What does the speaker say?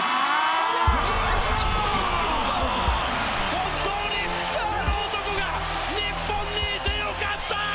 本当にこの男が日本にいてよかった！